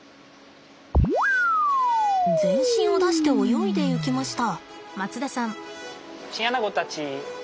全身を出して泳いでいきました。